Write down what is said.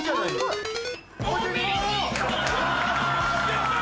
やった！